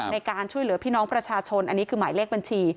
ในการช่วยเหลือพี่น้องประชาชนอันนี้คือหมายเลขบัญชี